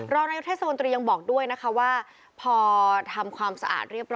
รองนายกเทศมนตรียังบอกด้วยนะคะว่าพอทำความสะอาดเรียบร้อ